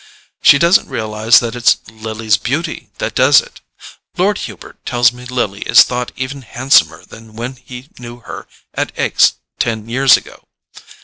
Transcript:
She doesn't realize that it's Lily's beauty that does it: Lord Hubert tells me Lily is thought even handsomer than when he knew her at Aix ten years ago.